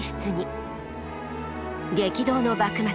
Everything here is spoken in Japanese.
激動の幕末。